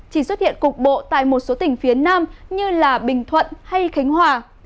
chỉ xuất hiện cục bộ tại một số tỉnh phía nam như bình thuận hay khánh hòa